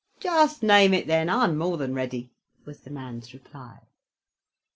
"Just name it, then; I'm more than ready," was the man's reply.